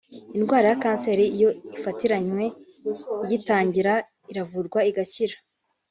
Indwara ya kanseri iyo ifatiranywe igitangita iravurwa igakira